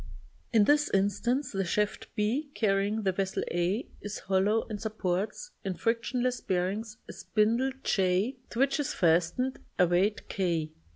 In this instance the shaft b carrying the vessel a is hollow and sup ports, in frictionless bearings, a spindle / to which is fastened a weight k.